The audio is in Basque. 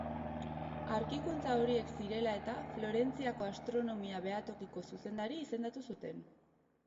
Aurkikuntza horiek zirela eta, Florentziako astronomia-behatokiko zuzendari izendatu zuten.